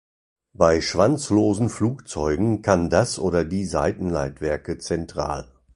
Bei schwanzlosen Flugzeugen kann das oder die Seitenleitwerke zentral.